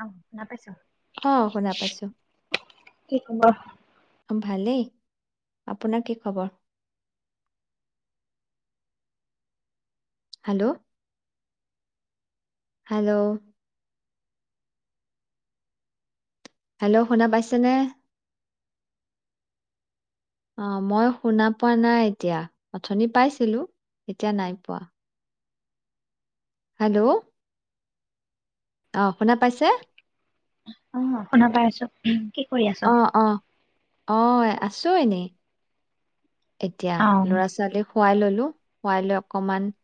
আহ ন পছো আহ শুনা পাইছো কি খবৰ ভালেই। আপোনাৰ কি খবৰ। হেল্ল' হেল্ল' হেল্ল' শুনা পাইছেনে? অ মই শুনা পোৱা নাই এতিয়া অথনি পাইছিলো এতিয়া নাই পোৱা। হেল্ল' আহ শুনা পাইছে অ শুনা পাই আছো কি কৰি আছ অ' অ' অ আছো এনেই এতিয়া অ ল'ৰা ছোৱালী। শুৱাই ললোঁ, শুৱাই লৈ অক অকমান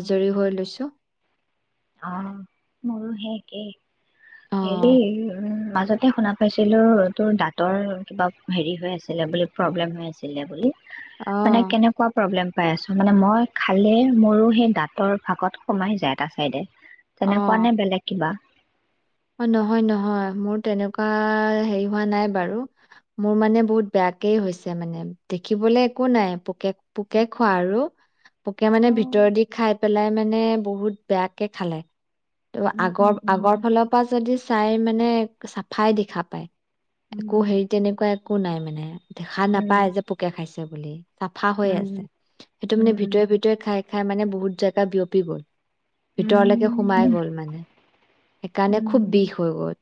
আজৰি হৈ লৈছোঁ। অ', মোৰো হেই একেই অ' হেৰি মাজতে শুনা পাইছিলো, তোৰ দাঁতৰ কিবা হেৰি হৈ আছিলে বুলি প্ৰব্লেম হৈ আছিলে বুলি। মানে অ' কেনেকুৱা প্ৰব্লেম? পাই আছো, মানে মই খালে মোৰো সেই দাঁতৰ ফাঁকত সোমাই যায় এটা চাইদে। তেনেকুৱা অ' নে বেলেগ কিবা? অ', নহয়, নহয় মোৰ তেনেকুৱা হেৰি হোৱা নাই বাৰু মোৰ মানে বহুত বেয়াকেই হৈছে মানে দেখিবলে একো নাই পোকে পোকে খোৱা আৰু। পোকে মানে উম ভিতৰ দি, খাই পেলাই মানে বহুত বেয়াকে খালে। ত' উম আগৰ, আগৰ উম ফালত যদি চাই মানে চাফাই দেখা পায়। একো উম হেৰি তেনেকুৱা এক একো নাই মানে। দেখা নাপায় যে, উম পোকে খাইছ বুলি চাফা হৈ উম আছে, সেইটো মানে উম ভিতৰি, ভিতৰি খাই খাই মানে বহুত জেগা বিয়পি গ'ল। ভিতৰলৈকে উম সোমাই উম গ'ল মানে। কাৰণে খুব উম বিষ হৈ গ'ল।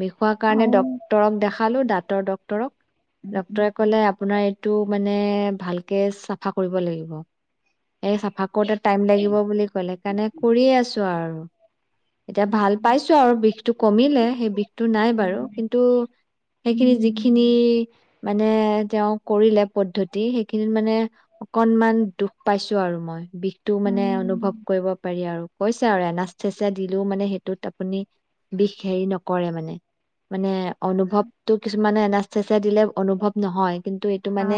বিষোৱা অ কাৰণে ডক্তৰক দেখা খালোঁ দাঁতৰ ডক্তৰক। উম উম ডক্তৰে ক'লে আপোনাৰ এইটো মান মানে ভালকে চাফা কৰিব লাগিব। এই চাফা কৰোতে টাইম অ', লাগিব বুলি ক'লে কাৰণে কৰিয়ে আছো আৰু। এতিয়া ভাল পাইছো আৰু বিষটো কমিলে সেই বিষটো নাই বাৰু কিন্তু সেইখিনি যিখিনি মানে তেওঁ কৰিলে পদ্ধতি সেইখিনিত মানে অকনমান দুষ পাইছো আৰু মই। বিষটো মানে অনুভৱ কৰিব পাৰি আৰু। কৈছে আৰু এনাচতেচিয়া দিলোও মানে সেইটোত ত আপুনি বিষ হেৰি নকৰে মানে, মানে অনুভৱটো কিছু মানে এনাচতেচিয়া দিলে অনুভৱ নহয় কিন্তু এইটো মানে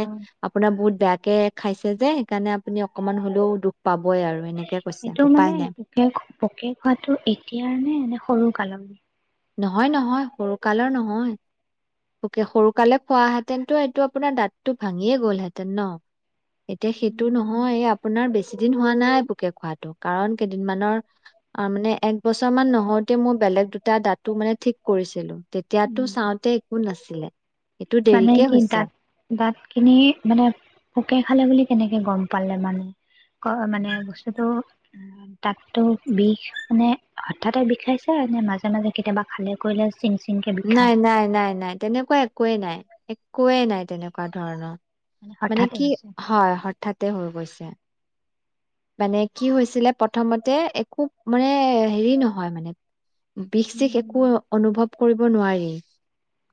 আপোনাৰ বহুত বেয়া, কে খাইছে যে সেইকাৰণে আপুনি অকনমান হ'লেও দুখ পাব, এইটো মানে ঘ পককে খোৱাটো এতিয়াৰ নে এনে, সৰু কালৰ, নহয় নহয় সৰু কালৰ নহয়। তোকে সৰুকালে খোৱাহেতেনতো এইটো আপোনাৰ দাঁতটো ভাঙিয়ে গ'লহেঁতেন ন। এতিয়া সেইটো নহয় এ আপোনাৰ বেছি দিন হোৱা নাই পোকে খোৱাতটো কাৰণ কেইদিনমানৰ। আৰু মানে এক বছৰ মান নহওতে মই বেলেগ দুটা দাতো মানে ঠিক কৰিছিলো তেতিয়াতো চাওঁতে, কোন আছিলে। মানে কি দাঁত দাঁত খিনি মানে পোকে খালে বুলি। কেনেকে গম পালে মানে? ক মানে বস্তুটো দাতটো বিষ মানে হঠাতে বিষাইছে নে মাজে মাজে কেতিয়াবা খালে কৰিলে চিং চিংকে বিষায় নাই নাই নাই নাই তেনেকুৱা একোৱেই নাই একোৱে নাই তেনেকুৱা ধৰণৰ। মানে হঠাতে কি হৈছে? হয় হঠাতে হৈ গৈছে। মানে কি হৈছিলে প্ৰথমতে একো মানে হেৰি নহয় মানে বিষ চিখ একো উম অনুভৱ কৰিব নোৱাৰি।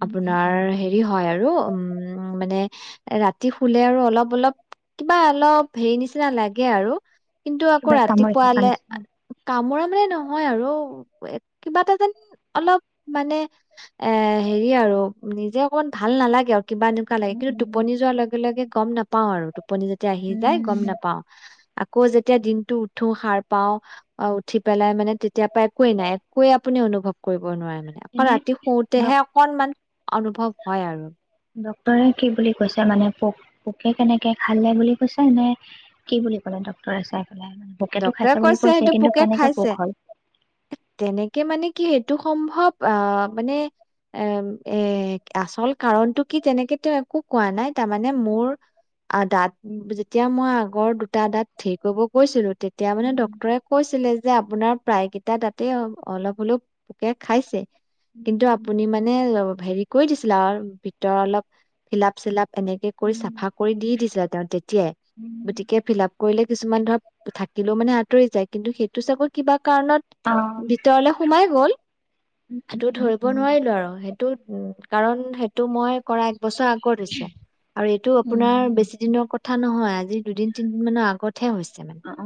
উম উম আপোনাৰ উম হেৰি হয় আৰু উম মানে ৰাতি শুলে আৰু অলপ অলপ কিবা অলপ হেৰি নিচিনা লাগে আৰু। কিন্তু আকৌ কিবা কামুৰি থকা ৰাতিপুৱালে নিচিনা? কামোৰাম মানে নহয় আৰু কিবা এটা যেন অলপ মানে এ হেৰি আৰু নিজে অকণ ভাল নালাগে আৰু কিবা এনেকুৱা লাগে, উম, কিন্তু উম। টোপনি যোৱাৰ লগে লগে গম নাপাও আৰু টোপনি যেতিয়া আহি যায় গম উম নাপাও। আকৌ যেতিয়া দিনটো উঠো সাৰ পাও অ উঠি পেলাই মানে তেতিয়াৰ পৰা একোৱে নাই একোৱে আপুনি অনুভৱ কৰিব নোৱাৰে। আকৌ এনে ৰাতি ডক শুওতেহে অকনমান অনুভৱ হয় আৰু। টৰে কি বুলি কৈছে মানে পোক পোকে কেনেকে খালে বুলি কৈছে নে কি বুলি ক'লে ডক্টৰে চাই? পেলাই মানে পোকেটো ডক্তৰে খাইছে বুলি কৈছে সেইটো কিন্তু পোকে কেনেকে পোক খাইছে হ'ল। তেনেকে মানে কি সেইটো সম্ভৱ অ মানে এ এ আচল কাৰণতটো কি তেনেকে একো কোৱা নাই তাৰমানে মোৰ দাত যেতিয়া মই আগৰ দুটা দত থেৰ কৰিব গৈছিলো তেতিয়া অ', মানে ডক্তৰে কৈছিলে যে আপোনাৰ প্ৰায় কেইটা দাতেই অলপ হলো পোকে খাইছে উম কিন্তু আপুনি মানে অ হেৰি কৰি দিছিলে আৰু ভিতৰৰ অলপ ফিলাপ চিলাপ এনেকে কৰি উম চাফা কৰি দি দিছিলে তেওঁ তেতিয়াই উম গতিকে ফিল আপ কৰিলে কিছুমান ধৰক থাকিলেও মানে আঁতৰি যায় কিন্তু সেইটো চাগৈ কিবা কাৰণত ভিতৰলে সোমাই গল সেইটো ধৰিব উম নোৱাৰিলো আৰু সেই টো উম কাৰণ সেইটো মই কৰা বছৰ আগৰত হৈছে আৰু এইটো উম আপোনাৰ উম বেছি দিনৰ কথ কথা নহয় আজি দুদিন তিনদিন মানৰ আগতহে হৈছে মানে অ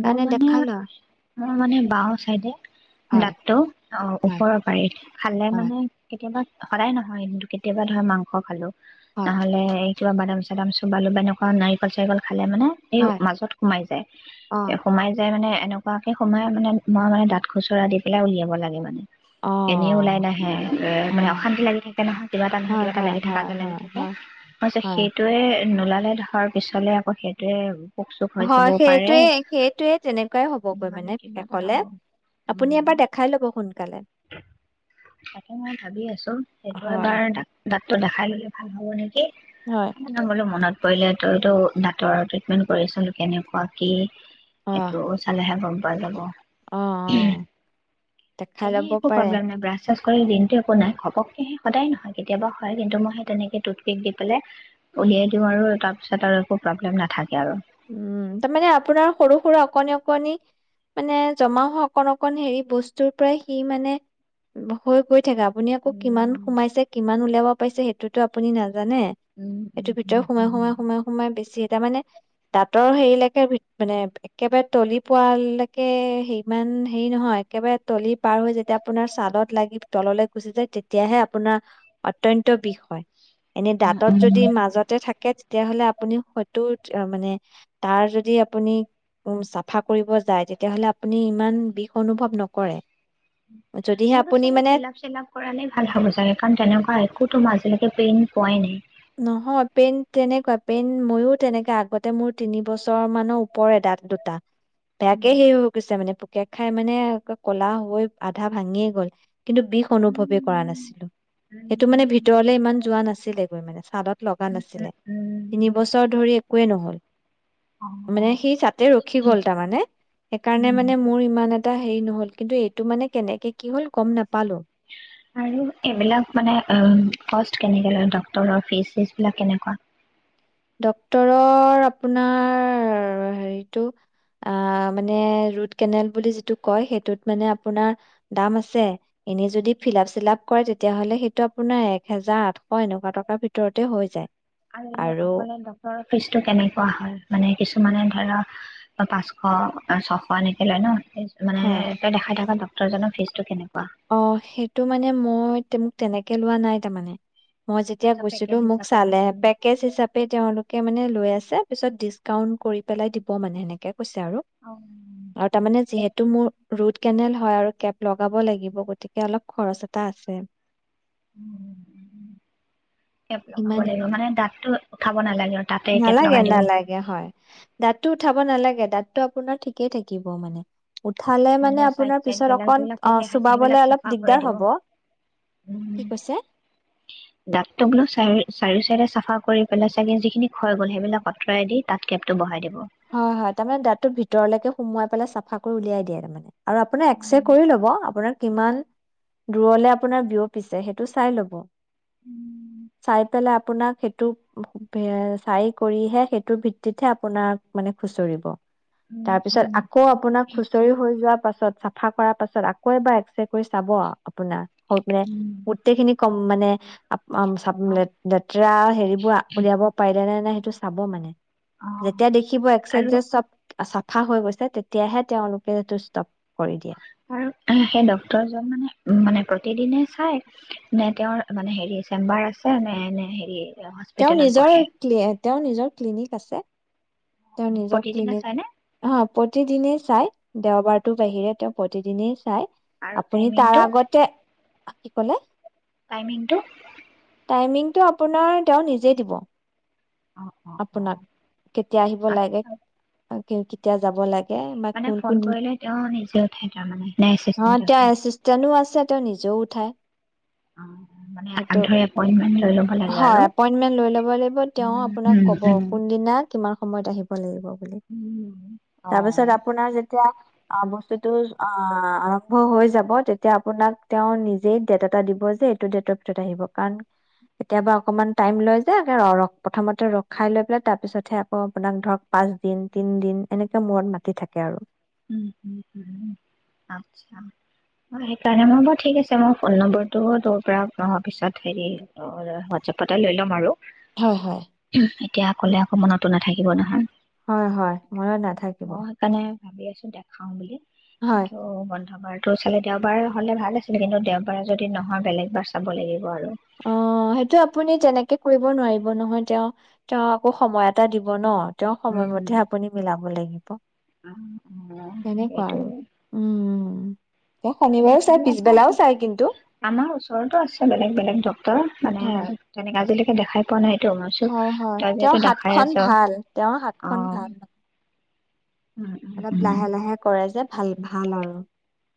মোৰ মানে দেখালো মোৰ মানে বাৰ চাইদে হয় দাতটো অ হয় ওপৰৰ পাৰি খালে হয় মানে কেতিয়াবা সদায় নহয় কিন্তু কেতিয়াবা ধৰ মাংস খালো। হয় নহলে এই টু বাদাম চু বাদাম চুবালু এনেকুৱা নাৰিকল চাৰিকল খা খালে মানে এও হয় মাজত এ জাই অ সোমাই যায়। মানে এনেকুৱাকে সোমাই মানে মই মানে দাঁত খুচুৰা দি পেলাই উলিয়াব লাগে মানে। অ এনে ওলাই নাহে এ মানে অ অশান্তি লাগি থাকে নহয় কিবা এটা নহয় হয়, কিবা এটা হয়, লাগি থাকা হয়, আজ লাগি হয়, থাকে হয়, হয়। সেইটোয়ে নোলাল বোলে ধৰ পিছলে আকৌ সেইটোৱে পোক চোক হৈজ হয়, পাৰে। সেইটোৱে সেইটোৱে তেনেকুৱাই হ'বগৈ মানে কিবা এটা শেষলে। হ'ব আপুনি ওম এবাৰ দেখাই ল'ব সোনকালে। তাকে মই ভাবি আছো সেইটো হয়, এবাৰ দাতটো দেখাই ললে ভাল হব নেকি? হয়। নহ'ল টো মনত পৰিলে তইতো ডাক্তৰৰ ট্ৰিটমেন্ট কৰিছিলি। কেনেকুৱা কি অ', সেইটো চালেহে গম পাই যাব। অ', অ', দেখাই এনে ল'ব একো পাৰে। প্ৰব্লেম নাই ব্ৰাচ কৰে দিনটো একো নাই ঘপকেহে সদায় নহয় কেতিয়াবা হয় কিন্তু মই সেই তেনেকে টুথপেক দি পেলাই উম, উলিয়াই দিওঁ আৰু তাৰ পাছত আৰু একো প্ৰব্লেম নাথাকে আৰু উম তাৰমানে আপোনাৰ সৰু সৰু অকণনি অকণনি মানে জমা হোৱা অকণ অকণ হেৰি বস্তুৰ পৰাই সি মানে হৈ গৈ থাকে আপুনি আকৌ কিমান উম সোমাইছে কিমান উলিয়াব পাইছে সেইটো আপুনি নাজ জানে উম এইটো উম ভিতৰত উম সোমাই উম সোমাই সোমাই সোমাই বেছি তাৰ মানে দাঁতৰ হেৰিলৈকে মানে একেবাৰে তলি পোৱালেকে হেৰি মানে হেৰি নহয় একেবাৰে তলি পাৰ হৈ যেতিয়া আপোনাৰ ছাদত লাগি তললে গুচি যায় তেতিয়াহে আপোনাৰ অত্যন্ত বিষ হয় এনেই উম দাঁতত যদি উম মাজতে থাকে তেতিয়াহ'লে আপুনি হয়তো মানে তাৰ যদি আপুনি উম চাফা কৰিব যায় তেতিয়াহলে আপুনি ইমান বিষ অনুভৱ নকৰে যদিহে মোৰতো আপুনি চাগে মানে ফিলাপ চিলাপ কৰালে ভাল হব চাগে কাৰণ তেনেকুৱা একোতো মই আজিলৈকে পেইনট পোৱাই নাই নহয় পেইনট তেনেকুৱা পেইণ্ট ময়ো তেনেককাে আগতে মোৰ তিনি বছৰ মানৰ ওপৰে দাত দুটা বেয়াকে সেইৰি হৈ গৈছে মানে পোক পোকে খাই মানে ক'লা হৈ আধা ভাঙিয়ে গল কিন্তু বিষ অনুভৱে কৰা নাছিলো সেইটো মানে ভিতৰলে ইমান যোৱা নাছিল মানে চাদত লগা নাছিলে তিনি বছৰ ধৰি একোৱে নহল মানে সি তাতে ৰখি গ'ল তাৰমানে সেইকাৰণে মানে মোৰ ইমান এটা এটা হেৰি নহ'ল কিন্তু এইটো মানে কেনেকে কি হ'ল গম নাপালো আৰু এইবিলাক মানে কষ্ট কেনেকৈ লয় ডক্টৰ ফিজ চিজ বনবিলাক কেনেকুৱা ডক্তৰৰ আপোনাৰ হেৰিটো মানে ৰুট কেনেল বুলি যিটো কয় সেইটোত মানে আপোনাৰ দাম আছে এনে যদি ফিলাপ চিলাপ কৰে তেতিয়াাহলে সেইটো আপোনাৰ এক হজাৰ আঠশ এনেকুৱা টকাৰ ভিতৰতে হৈ যায়। আৰু আছেনে ফিজটো কেনেকুৱা হয় মানে কিছুমানে ধৰা পাঁচশ ছশ এনেকে লয় ন মানে হয় তই দেখাই থাককা ড জনৰ ফিজটো কেনেকোৱা অ সেইটো মানে মই মোক তেনেকে লোৱা নাই তাৰমানে মই যেতিয়া আচ্ছা গৈছিলো পেকেজ মোক হিচাপে চালে হৈছে ন। পেকেজ হিচাপে তেওঁলোকে মানে লৈ আছে ত পিছত ডিছকাউণ্ট কৰি পেলাই দিব মানে সেনেকে কৈছে আৰু অ আৰু তাৰমানে যিহেতু মোৰ ৰুট কেনেল হয় আৰু কেব লগাব লাগিব গতিকে অলপ খৰচ এটা আছে। উম কেব লগাব ইমানে। লাগিব মানে দাঁটো খাব নালাগে আৰু তাতে কেপ নালাগে লগাই দিব নালাগে হয় দাঁতটো উঠাব নালাগে দাতটো আপোনাৰ ঠিকেই থাকিব মানে উঠালে মানে চাইড আপোনাৰ চাইড পিছত বিলাক অকণ যিবিলাক অ পোকে খাইছে চোবাবলে সেইবিলাক অলপ চাফা কৰি দিগদাৰ দিব হব। কি কৈছে? দাটটো বোলো চাইদ চাইদ চাই চাফা চাফা কৰি পেলাই চাগে যিখিনি খাই গ'ল সেইবিলাক আঁতৰাই দি তাত কেবটো বহাই দিব হয় হয় তাৰমানে দাঁতটো ভিতৰলৈকে সোমোৱাই পেলাই চাফা কৰি উলিয়াই দিয়ে তাৰ মানে আৰু আপুনি এক্স ৰে উম কৰি ল'ব আপোনাক কিমান দূৰলে আপোনাৰ বিয়পিছে সেইটো চাই ল'ব উম চাই পেলাই আপোনাক সেইটো চাই কৰিহে সেইটো ভিত্তিতহে আপোনাৰ মানে খুচৰিব। উম তাৰ পিছত উম আকৌ আপোনাৰ খুচৰি হৈ যোৱা পাছত পাছত চফা কৰাৰ পাছত আকৌ এবাৰ এক্স ৰে কৰি চাব। আপোনাৰ‌ মানে উম গোটেইখিনি কম মানে অ', চম অ লেতেৰা হেৰিবোৰ উলিয়াব পাৰি। কৰে নে নাই সেইটো চাব মানে। অ'। কিবা একজীত এক চব চাফা হৈ গৈছে তেতিয়াহে তেওঁলোকে যটো ষ্টব আৰু সেই ডক্তৰজন মানে উম, মানে প্ৰতিদিনে চাই নে তেওঁৰ মানে হেৰি চেম্বাৰ আছে নে নে হেৰি তেওঁ হস্পিতেলত নিজৰ, বহে তেওঁৰ নিজৰ ক্লিনিক আছে। তেওঁ নিজৰ, প্ৰতিদিনে ক্লিনিক চাইনে প্ৰতিদিনেই চাই। দেওবাৰতো বাহিৰে তেওঁ প্ৰতিদিনেই চাই। আৰু আপুনি তাৰ টাইমিংটো আগতে অহ, কি ক'লে? টাইমিংটো? টাইমিংটো আপোনাৰ তেওঁ নিজেই দিব। অ', অ', অ'। দিব লাগে। আচ্ছা কে কেতিয়া যাব লাগ থাকে বা মানে ফোন কোনটো কৰিলে তেওঁ নিজে উঠাই তাৰমানে নে অ', এচিষ্টেণ্টে তেওঁৰ উঠাই এচিষ্টেনো আছে তেওঁ নিজেও উঠাই। অ মানে সেইটো আগধৰি এপইন্টমেন্ট লৈ ল'ব লাগে হয় আৰু এপইন্টমেন্ট লৈ ল'ব লাগিব তেওঁ উম আপোনাক উম ক'ব উম কোন দিনাত কিমান সময়ত আহিব লাগিব? উম অ তাৰপিছত আপোনাৰ যেতিয়া অ', বস্তুটো অ', আৰম্ভ হৈ যাব তেতিয়া আপোনাক তেওঁ দাতে এটা দিব কাৰ কেতিয়া অকমান টাইম লৈ ৰাই লৈ অ', আপোনাক ধৰক পাঁচ দিন তিন দিন এনেকে মূৰত মাতি থাকে আৰু আচ্ছা, সেইকাৰণে মই বাৰু ঠিক আছে মই ফোন নম্বৰটো তোৰ পৰা অহোৱাৰ পিছত হেৰি হোৱাটছএপতে লৈ ল'ম আৰু হয় হয় এতিয়া অকলে আকৌ মনতো নাথাকিব নহয় হয় হয় মনত নাথাকিব মই সেইকাৰণে ভাবি আছোঁ, দেখাওঁ বুলি। হয় কিন্তু বন্ধ দেওবাৰতো চালে দেওবাৰ হ'লে ভাল আছিলে কিন্তু দেওবাৰে যদি নহয় বেলেগ বাৰ চাব লাগিব আৰু অ সেইটো আপুনি যেনেকে কৰিব নোৱাৰিব নহয় তেওঁ তেওঁ আকৌ সময় এটা দিব ন তেওঁ সময়মতে আপুনি মিলাব লাগিব অ তেনেকুৱা সেইটো আৰু উম এই শনিবাৰেো কেনেকে চাই হ'লে ভাল পিছবেলাও হয় চাই কিন্তু আমাৰ ওচৰতো আছে বেলেগ বেলেগ ডক্টৰ মানে হয় তেনেকে আজি দেখাই পোৱা নাই এইটো মই ভাবিছো হয় হয় তই যিহেতু তেওঁৰ দেখাই হাতখন আছ ভাল তেওঁৰ অ হাতখন ভাল মানে উম উম অলপ উম লাহে লাহে কৰে যে ভাল ভাল আৰু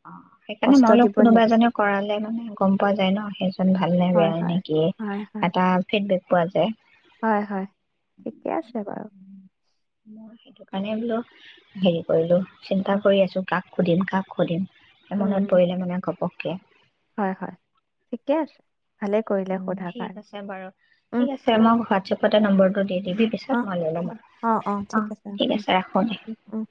অ সেইকাৰণে কষ্ট মইল দিব কোনোবা নিবিচাৰে এজনে কৰালে মানে গম পোৱা যায় ন সেইজন ভাল নে হয় বেয়াই হয় নেকি হয় হয় এটা ফিডবেক পোৱা যায় হয় হয় ঠিকে আছে বাৰু মই সেইটো কাৰণে বোলো হেৰি কৰিলো চিন্তা উম কৰি আছোঁ কাক সুদিম কা সুদিম মনত উম পৰিলে মানে ঘপক কি হয় হয় ঠিকে আছে ভালে কৰিলে উম সোধাৰ ঠিক কাৰণে আছে বাৰু উম ঠিক আছে উম মই হোৱাটছএপত এটা নম্বৰটো দিম দিবি অ পিছত মই লৈ ল'ম আৰু অ ঠিক আছে ৰাখো দে উম উম।